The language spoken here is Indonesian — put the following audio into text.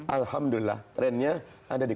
alhamdulillah trendnya ada di dua